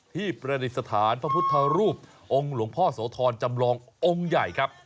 ประดิษฐานพระพุทธรูปองค์หลวงพ่อโสธรจำลององค์ใหญ่ครับ